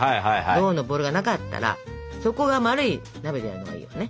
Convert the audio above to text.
銅のボウルがなかったら底が丸い鍋でやるのがいいわね。